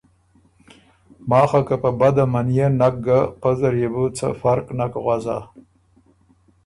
ماخه که په بده منيېن نک ګه، پۀ زر يې بو څۀ فرق نک غؤزا۔